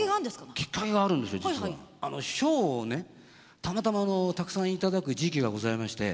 たまたまあのたくさん頂く時期がございまして。